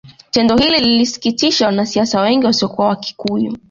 Tendo hili lilisikitisha wanasiasa wengi wasiokuwa Wakikuyu